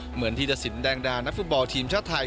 เหมือนธีรศิลป์แดงดานักฟุตบอลทีมชาติไทย